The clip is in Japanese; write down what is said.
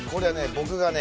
僕がね